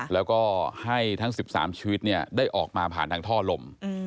แล้วก็ให้ทั้ง๑๓ชีวิตได้ออกมาผ่านทางท่อลม